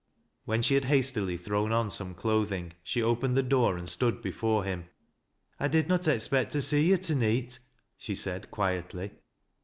When she had hastily thrown on some clothing, she opened the door and stood before him. " I did not expect to see yo' to neet," she said, quietly.